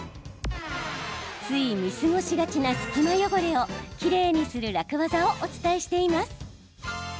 つい見過ごしがちな隙間汚れをきれいにする楽ワザをお伝えしています。